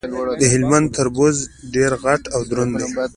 د هلمند تربوز ډیر غټ او دروند وي.